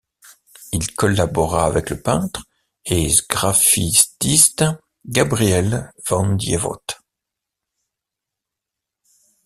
Il collabora avec le peintre et sgraffitiste Gabriel van Dievoet.